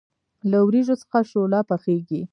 له وریجو څخه شوله پخیږي.